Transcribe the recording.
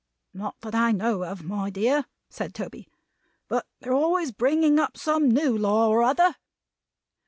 "Not that I know of, my dear," said Toby. "But they're always a bringing up some new law or other."